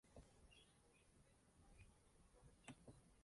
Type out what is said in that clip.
Hay algunas cosas en mi juego que se pueden beneficiar con su sistema".